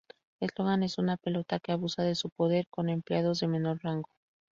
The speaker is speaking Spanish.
Slogan es una pelota que abusa de su poder con empleados de menor rango.